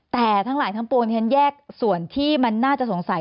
แต่ทั้งหลายทั้งปวงที่ฉันแยกส่วนที่มันน่าจะสงสัย